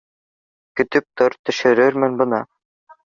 — Көтөп тор, төшөрөрмөн бына